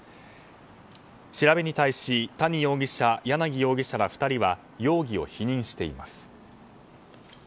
調べに対し谷容疑者、柳容疑者ら２人は容疑を否認しています。